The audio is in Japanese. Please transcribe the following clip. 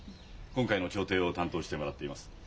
今回の調停を担当してもらっています。